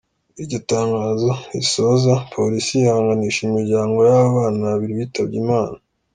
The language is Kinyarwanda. " Iryo tangazo risoza, Polisi yihanganisha imiryango y'aba bana babiri bitabye Imana.